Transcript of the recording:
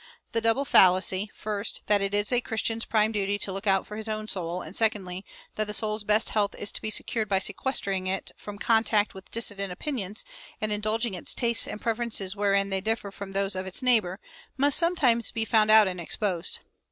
The double fallacy, first, that it is a Christian's prime duty to look out for his own soul, and, secondly, that the soul's best health is to be secured by sequestering it from contact with dissentient opinions, and indulging its tastes and preferences wherein they differ from those of its neighbor, must sometime be found out and exposed.